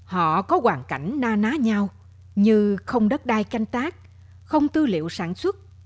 họ có hoàn cảnh na ná nhau như không đất đai canh tác không tư liệu sản xuất